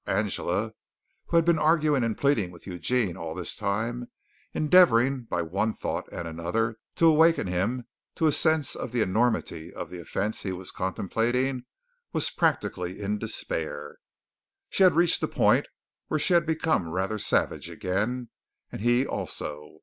Angela, who had been arguing and pleading with Eugene all this time, endeavoring by one thought and another to awaken him to a sense of the enormity of the offense he was contemplating, was practically in despair. She had reached the point where she had become rather savage again, and he also.